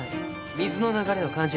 水の流れを感じなさい。